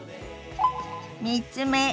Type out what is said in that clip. ３つ目。